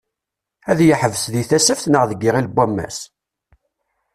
Ad yeḥbes deg Tasaft neɣ deg Iɣil n wammas?